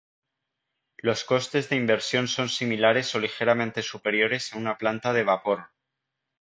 Los costes de inversión son similares o ligeramente superiores a una planta de vapor.